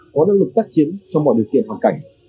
có năng lực tác chiến trong mọi điều kiện hoàn cảnh